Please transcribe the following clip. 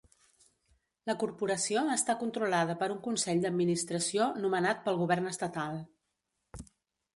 La corporació està controlada per un consell d'administració nomenat pel govern estatal.